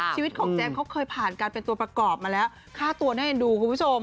ชีวิตของเจฟเขาเคยผ่านการเป็นตัวประกอบมาแล้วค่าตัวน่าเอ็นดูคุณผู้ชม